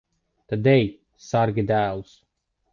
Tad ej, sargi dēlus.